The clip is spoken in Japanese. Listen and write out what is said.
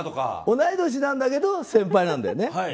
同い年なんだけど先輩なんだよね。